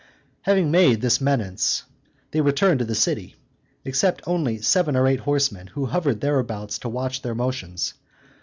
Having made this menace, they returned to the city, except only seven or eight horsemen, who hovered thereabouts to watch their motions.